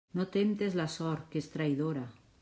No temptes la sort, que és traïdora.